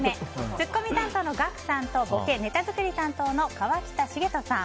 ツッコミ担当のガクさんとボケ・ネタ作り担当の川北茂澄さん。